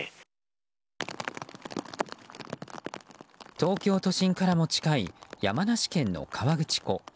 東京都心からも近い山梨県の河口湖。